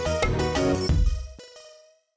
iya iya bagus buat aa kok